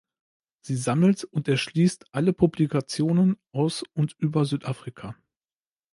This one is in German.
Sie sammelt und erschließt alle Publikationen aus und über Südafrika.